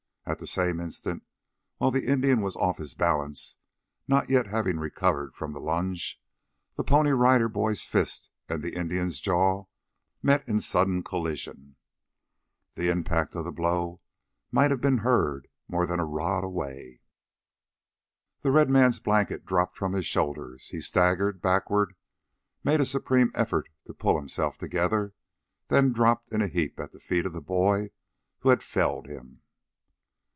At the same instant, while the Indian was off his balance, not yet having recovered from the lunge, the Pony Rider Boy's fist and the Indian's jaw met in sudden collision. The impact of the blow might have been heard more than a rod away. The red man's blanket dropped from his shoulders; he staggered backward, made a supreme effort to pull himself together, then dropped in a heap at the feet of the boy who had felled him.